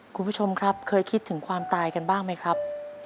คุณผู้ชมครับเคยคิดถึงความตายกันบ้างไหมครับ